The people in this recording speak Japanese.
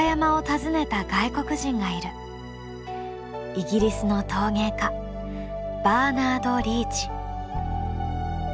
イギリスの陶芸家バーナード・リーチ。